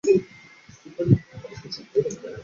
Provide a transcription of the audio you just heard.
樱井孝宏为日本男性声优。